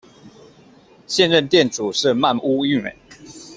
现任店主是鳗屋育美。